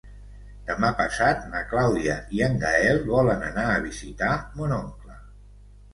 Demà passat na Clàudia i en Gaël volen anar a visitar mon oncle.